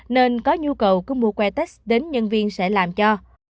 nên có nhu cầu cứ mua que test đến nhân viên sẽ làm cho